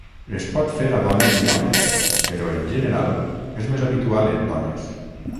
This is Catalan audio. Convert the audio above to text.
Es pot fer a dones i homes, però en general és més habitual en dones.